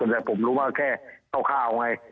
แต่ผมรู้ว่าแค่คร่าวไง